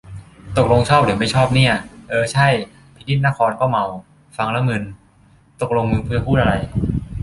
ตกลงชอบหรือไม่ชอบเนี่ย เออ ใช่ พินิจนครนี่ก็เมา ฟังแล้วมึน ตกลงมึงจะพูดอะไร